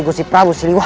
aku akan menangkap dia